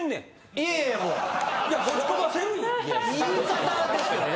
言い方ですよね。